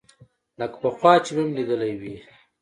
لکه پخوا چې مې هم ليدلى وي.